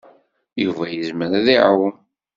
Yuba yezmer ad iɛum.